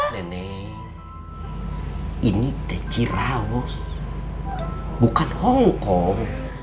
nene ini teh cirawus bukan hongkong